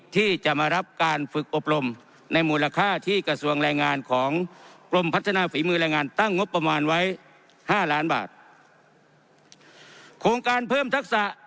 ที่จะมารับการฝึกอบรมในมูลค่าที่กระทรวงแรงงานของกรมพัฒนาฝีมือแรงงานตั้งงบประมาณไว้ห้าล้านบาทโครงการเพิ่มทักษะ